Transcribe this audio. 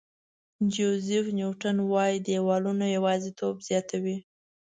جوزیف نیوټن وایي دیوالونه یوازېتوب زیاتوي.